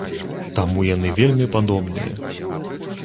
Таму яны вельмі падобныя.